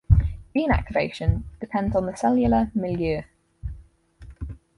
Gene activation depends upon the cellular milieu.